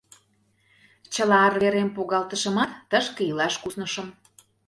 Чыла арверем погалтышымат, тышке илаш куснышым.